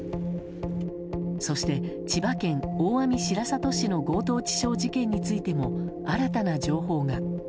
そして、千葉県大網白里市の強盗致傷事件についても新たな情報が。